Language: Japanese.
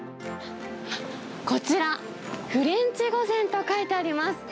こちら、ふれんち御膳と書いてあります。